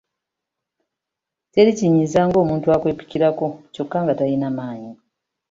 Teri kinyiiza ng’omuntu akwepikirako kyokka nga talina maanyi.